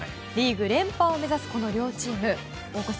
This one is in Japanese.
リーグ連覇を目指す両チーム。